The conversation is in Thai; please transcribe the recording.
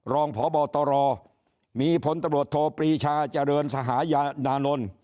รองพบตรมีพตรโทปรีชาเจริญสหายานนน